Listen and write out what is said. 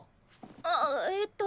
あっえっと